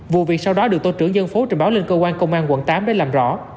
vụ việc sau đó được tổ trưởng dân phố trình báo lên cơ quan công an quận tám để làm rõ